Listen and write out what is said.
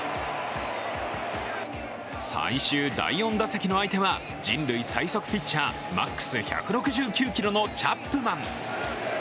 最終第４打席の相手は、人類最速ピッチャーマックス１６９キロのチャップマン。